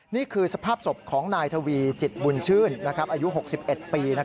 นี่คือสภาพศพของนายทวีจิตบุญชื่นอายุ๖๑ปี